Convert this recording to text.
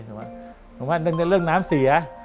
หรือว่าเรียกได้เรื่องน้ำเสีย